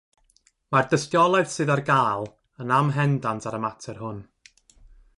Mae'r dystiolaeth sydd ar gael yn amhendant ar y mater hwn.